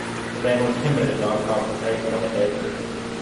The man was timid and non-confrontational in nature.